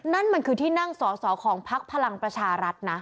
นั่นมันคือที่นั่งสอสอของพักพลังประชารัฐนะ